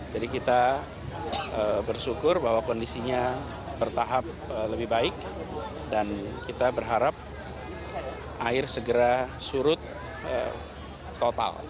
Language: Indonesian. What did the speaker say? jadi kita bersyukur bahwa kondisinya bertahap lebih baik dan kita berharap air segera surut total